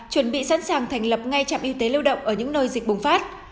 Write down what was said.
chuẩn bị sẵn sàng thành lập ngay trạm y tế lưu động ở những nơi dịch bùng phát